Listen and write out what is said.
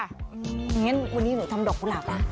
อย่างนั้นวันนี้หนูทำดอกกุหลาบนะ